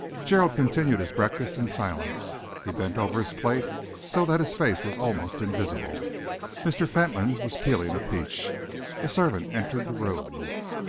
Gerald continued his breakfast in silence. He bent over his plate so that his face was almost invisible. Mr. Fentolin was peeling a peach. A servant entered the room.